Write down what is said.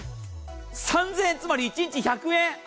３０００円つまり１日１００円。